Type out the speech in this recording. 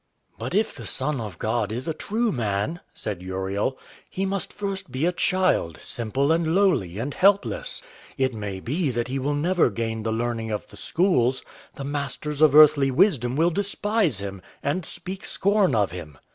"But if the Son of God is a true man," said Uriel, "he must first be a child, simple, and lowly, and helpless. It may be that he will never gain the learning of the schools. The masters of earthly wisdom will despise him and speak scorn of him."